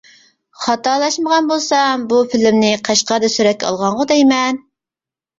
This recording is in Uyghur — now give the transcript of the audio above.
خاتالاشمىغان بولسام بۇ فىلىمنى قەشقەردە سۈرەتكە ئالغانغۇ دەيمەن.